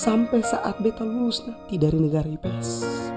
sampai saat beta lulus nanti dari negara ips